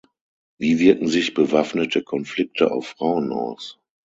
Wie wirken sich bewaffnete Konflikte auf Frauen aus?